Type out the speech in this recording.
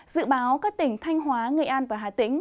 dự báo các tỉnh thanh hóa nghệ an và hà tĩnh